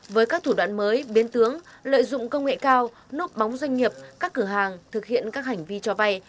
với các thủ đoạn mới biến tướng lợi dụng công nghệ cao nốt bóng doanh nghiệp các cửa hàng thực hiện các hành vi cho vay